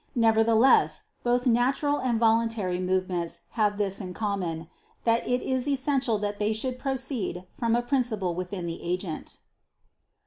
Nevertheless both natural and voluntary movements have this in common, that it is essential that they should proceed from a principle within the agent.